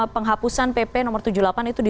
penghapusan pp no tujuh puluh delapan itu di